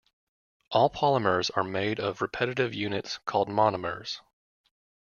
All polymers are made of repetitive units called monomers.